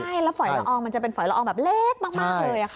ใช่แล้วฝอยละอองมันจะเป็นฝอยละอองแบบเล็กมากเลย